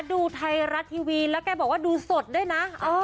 ดูไทยรัฐทีวีแล้วแกบอกว่าดูสดด้วยนะ